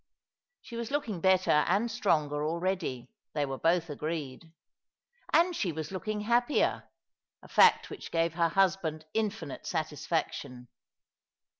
She was looking better and stronger already, they were both agreed ; and she was looking happier, a fact which gave her husband infinite satisfaction.